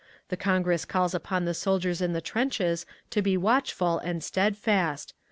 The Congress calls upon the soldiers in the trenches to be watchful and steadfast.